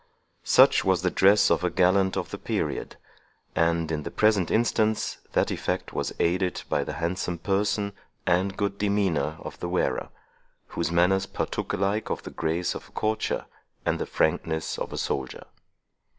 Such was the dress of a gallant of the period; and, in the present instance, that effect was aided by the handsome person and good demeanour of the wearer, whose manners partook alike of the grace of a courtier, and the frankness of a soldier.